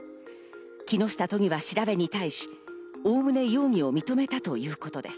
木下都議は調べに対し、おおむね容疑を認めたということです。